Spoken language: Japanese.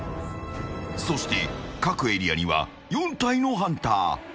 そして、各エリアには４体のハンター。